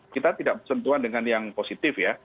kita tidak bersentuhan dengan yang positif ya